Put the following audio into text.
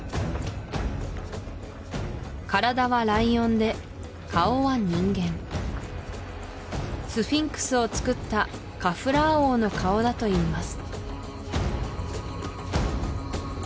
体はライオンで顔は人間スフィンクスを造ったカフラー王の顔だといいます